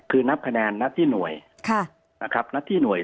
คือนับคะแนนนับที่หน่วย